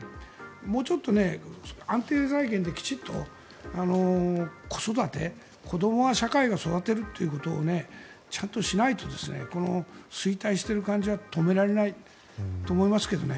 もうちょっと安定財源できちんと子育て、子どもは社会が育てるということはちゃんとしないとこの衰退している感じは止められないと思いますけどね。